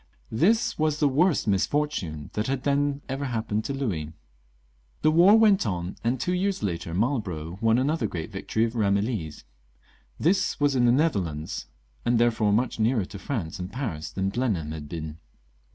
This was the worst misfortune that had then ever happened to Louis. The war went on, and two years later Marlborough won another great victory at Eamillies. This was in the Nether lands, and therefore much nearer to France and Paris thaii Blenheim had been.